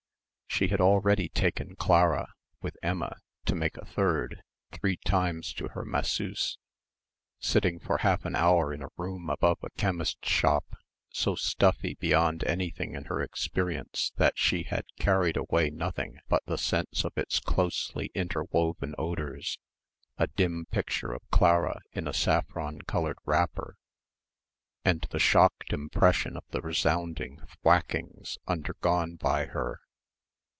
She had already taken Clara, with Emma, to make a third, three times to her masseuse, sitting for half an hour in a room above a chemist's shop so stuffy beyond anything in her experience that she had carried away nothing but the sense of its closely interwoven odours, a dim picture of Clara in a saffron coloured wrapper and the shocked impression of the resounding thwackings undergone by her.